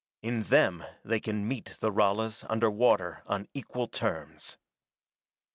In them they can meet the Ralas under water on equal terms.